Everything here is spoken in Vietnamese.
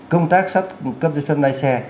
công tác cấp ba xe